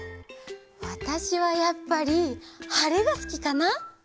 わたしはやっぱりはれがすきかな！